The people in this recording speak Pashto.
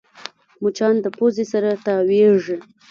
مچان د پوزې سره تاوېږي